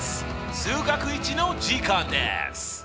数学Ⅰの時間です！